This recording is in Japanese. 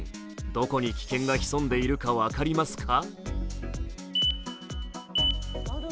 どこに危険が潜んでいるか分かりますか。